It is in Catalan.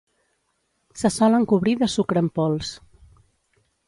Se solen cobrir de sucre en pols.